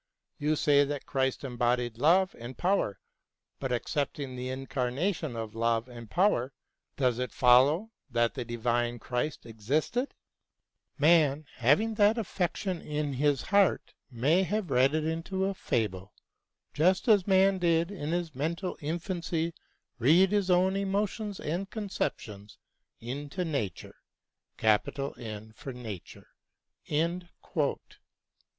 You say that Christ embodied love and power ; but, accepting the incarnation of love and power, does it follow that the divine Christ existed ? Man, having that affection in his heart, may have read it into a fable, just as man did in his mental infancy read his own emotions and conceptions into Nature."